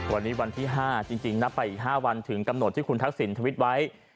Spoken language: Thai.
วันนี้วันที่๕จริงนับไปอีก๕วันถึงกำหนดที่คุณทักษิณทวิตไว้